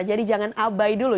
jadi jangan abai dulu